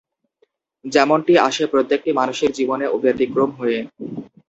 যেমনটি আসে প্রত্যেকটি মানুষের জীবনে ব্যতিক্রম হয়ে।